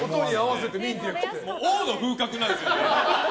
王の風格なんですよね。